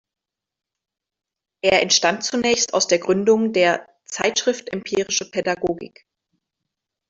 Er entstand zunächst aus der Gründung der "Zeitschrift Empirische Pädagogik".